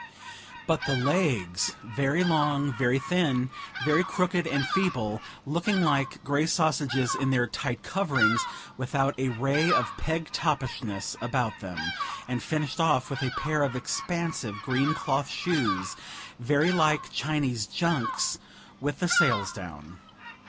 But the legs! very long, very thin, very crooked and feeble, looking like grey sausages in their tight coverings, without a ray of pegtopishness about them, and finished off with a pair of expansive, green cloth shoes, very like Chinese junks, with the sails down.